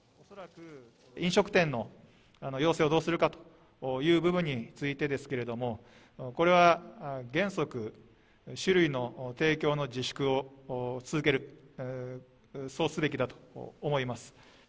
飲食店の要請をどうするかという部分についてですけれども、これは原則、酒類の提供の自粛を続ける、そうすべきだと思います。